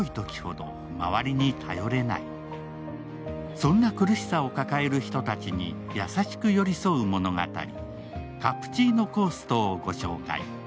そんな苦しさを抱える人たちに優しく寄り添う物語、「カプチーノ・コースト」をご紹介。